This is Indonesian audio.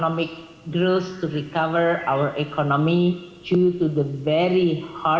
kami juga harus memperhatikan perempuan